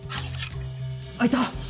開いた！